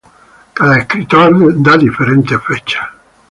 Cada escritor da diferentes fechas.